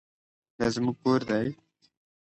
دا زموږ کور دی؟